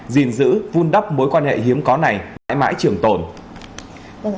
gìn giữ vun đắp mối quan hệ hiếm có này mãi mãi trường tồn